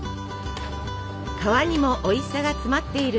皮にもおいしさが詰まっている！